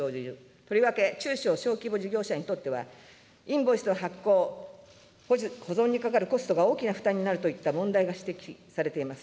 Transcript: とりわけ、中小・小規模事業者にとっては、インボイス発行、保存にかかるコストが大きな負担になるといった問題が指摘されています。